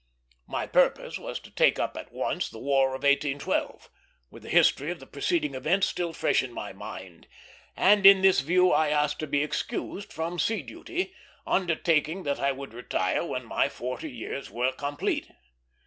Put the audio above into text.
My purpose was to take up at once the War of 1812, while the history of the preceding events was fresh in my mind; and in this view I asked to be excused from sea duty, undertaking that I would retire when my forty years were complete.